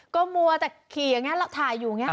ก็มัวแต่ขี่อย่างนี้